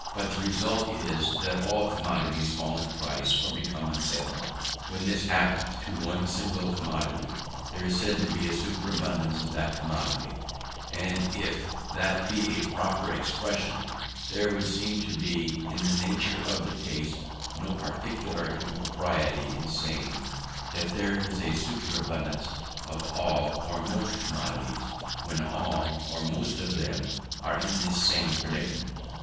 But the result is, that all commodities fall in price, or become unsaleable. When this happens to one single commodity, there is said to be a superabundance of that commodity; and if that be a proper expression, there would seem to be in the nature of the case no particular impropriety in saying that there is a superabundance of all or most commodities, when all or most of them are in this same predicament.